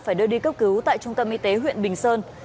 phải đưa đi cấp cứu tại trung tâm y tế huyện bình sơn